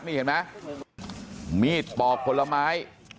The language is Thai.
นี่เห็นไหมมีดปอกผลไม้